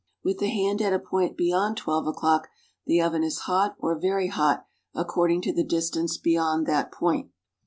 ^Vith the hand at a point be yond 12 o'clock, the oven is hot or very hot according to the distance beyond that point.